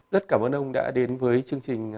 rất cảm ơn ông đã đến với chương trình